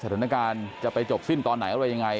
สถานการณ์จะไปจบสิ้นตอนไหนอะไรยังไง